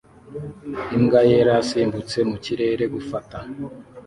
Imbwa yera yasimbutse mu kirere gufata